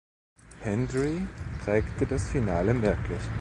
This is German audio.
Hendry prägte das Finale merklich.